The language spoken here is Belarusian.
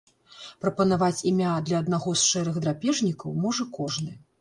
Прапанаваць імя для аднаго з шэрых драпежнікаў можа кожны.